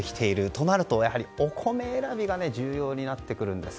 となると、やはりお米選びが重要になってくるんです。